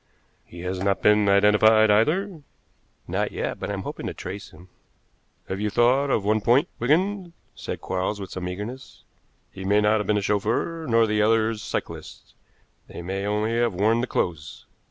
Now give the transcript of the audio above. "He has not been identified either?" "Not yet, but I'm hoping to trace him." "Have you thought of one point, Wigan?" said Quarles, with some eagerness. "He may not have been a chauffeur, nor the others cyclists. They may only have worn the clothes."